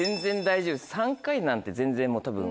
３回なんて全然もうたぶん。